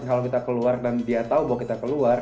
kalau kita keluar dan dia tahu bahwa kita keluar